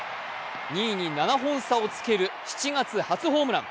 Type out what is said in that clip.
２位に７本差をつける、７月初ホームラン。